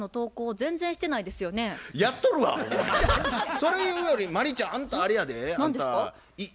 それ言うより真理ちゃんあんたあれやで。